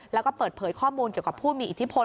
แล้วก็เปิดเผยข้อมูลเกี่ยวกับผู้มีอิทธิพล